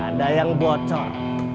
ada yang bocor